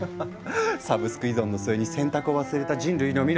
サブスク依存の末に選択を忘れた人類の未来。